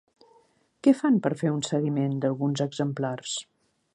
Què fan per fer un seguiment d'alguns exemplars?